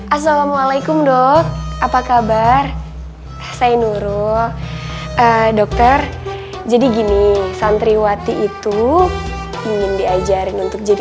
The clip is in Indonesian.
assalamualaikum dok apa kabar saya nurul dokter jadi gini santriwati itu ingin diajarin untuk jadi